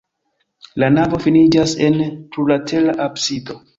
La navo finiĝas en plurlatera absido.